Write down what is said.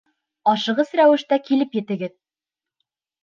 «Ашығыс рәүештә килеп етегеҙ!»